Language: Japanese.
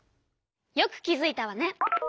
よく気づいたわね。